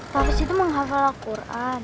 tafis itu mau menghafal al quran